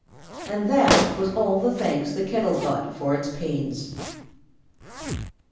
And that was all the thanks the kettle got for its pains.